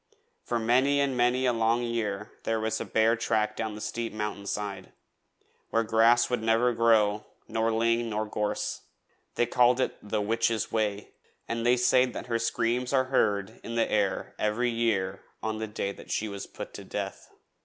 For many and many a long year there was a bare track down the steep mountain side, where grass would never grow, nor ling, nor gorse. They called it 'The Witch's Way,' and they say that her screams are heard in the air every year on the day she was put to death.